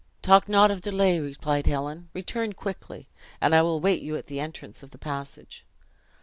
"Talk not of delay," replied Helen; "return quickly, and I will await you at the entrance of the passage."